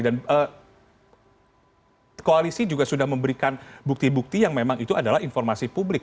dan koalisi juga sudah memberikan bukti bukti yang memang itu adalah informasi publik